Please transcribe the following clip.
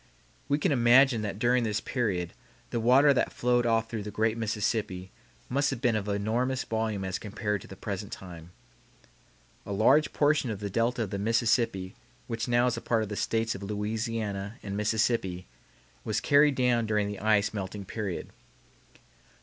We can imagine that during this period the water that flowed off through the great Mississippi must have been of enormous volume as compared to the present time. A large portion of the delta of the Mississippi which now is a part of the States of Louisiana and Mississippi was carried down during the ice melting period. Dr.